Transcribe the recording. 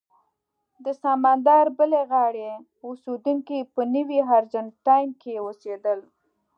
د سمندر بلې غاړې اوسېدونکي په نوي ارجنټاین کې اوسېدل.